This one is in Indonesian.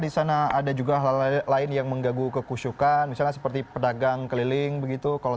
di sana ada juga hal lain yang menggaguh kekusukan misalnya seperti pedagang keliling begitu kalau